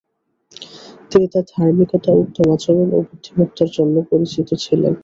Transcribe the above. তিনি তার ধার্মিকতা, উত্তম আচরণ ও বুদ্ধিমত্তার জন্য পরিচিত ছিলেন।